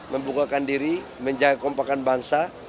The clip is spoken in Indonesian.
membukakan diri menjaga kompakan bangsa